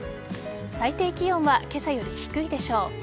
最低気温は今朝より低いでしょう。